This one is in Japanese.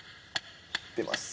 出ますか？